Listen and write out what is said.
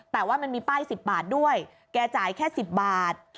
แต่ว่ามันมีป้าย๑๐บาทด้วยแกจ่ายแค่๑๐บาท